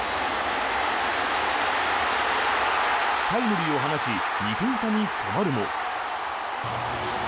タイムリーを放ち２点差に迫るも。